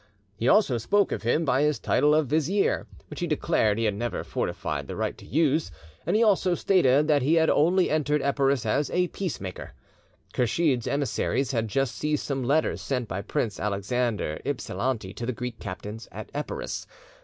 He also spoke of him by his title of "vizier," which he declared he had never forfeited the right to use; and he also stated that he had only entered Epirus as a peace maker. Kursheed's emissaries had just seized some letters sent by Prince Alexander Ypsilanti to the Greek captains at Epirus.